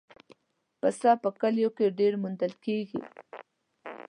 پسه په کلیو کې ډېر موندل کېږي.